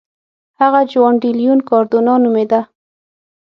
هغه جوان ډي لیون کاردونا نومېده.